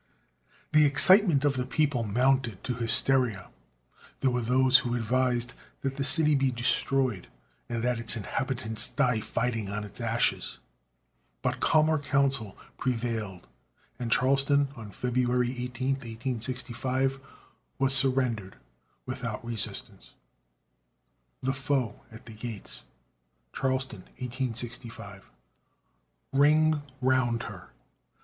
The excitement of the people mounted to hysteria; there were those who advised that the city be destroyed and that its inhabitants die fighting on its ashes. But calmer counsel prevailed and Charleston, on February 18, 1865, was surrendered without resistance. THE FOE AT THE GATES [CHARLESTON, 1865] Ring round her!